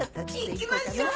行きましょう！